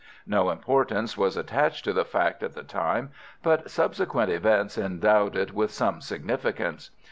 No importance was attached to the fact at the time, but subsequent events endowed it with some significance.